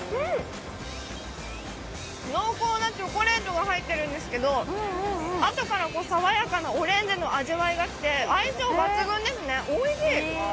濃厚なチョコレートが入ってるんですけど、あとから爽やかなオレンジの味わいがきて相性抜群ですね、おいしい。